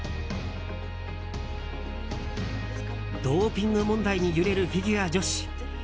ドーピング問題に揺れるフィギュア女子。